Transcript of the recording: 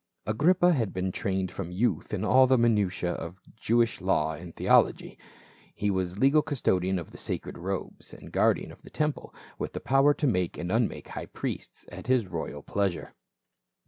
Agrippa had been trained from youth in all the minutiae of Jewish law and theology ; he was legal custodian of the sacred robes and guar dian of the temple, with the power to make and un make high priests at his royal pleasure.